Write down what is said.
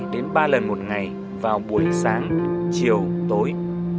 đến ba lần một ngày vào buổi sáng chiều tối